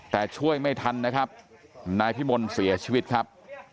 แต่ช่วยไม่ทันนะครับนายพิมลเสียชีวิตครับ